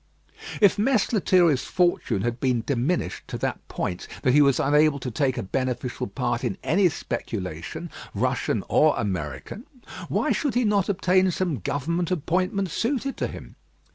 If Mess Lethierry's fortune had been diminished to that point that he was unable to take a beneficial part in any speculation, Russian or American, why should he not obtain some government appointment suited to him?